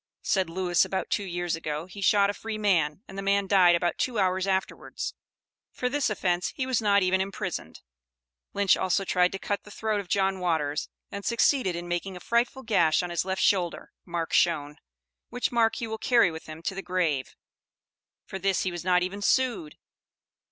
Said Lewis, about two years ago, he shot a free man, and the man died about two hours afterwards; for this offence he was not even imprisoned. Lynch also tried to cut the throat of John Waters, and succeeded in making a frightful gash on his left shoulder (mark shown), which mark he will carry with him to the grave; for this he was not even sued.